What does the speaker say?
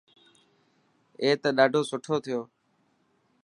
اي ته ڏاڌو سٺو ٿيو.